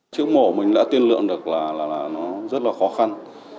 trước mổ mình đã tiên lượng được là nó rất là khó khăn